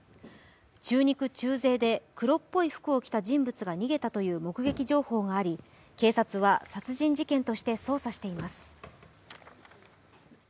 中肉中背で黒っぽい人物が逃げたという目撃情報があり、警察は殺人事件として捜査しています。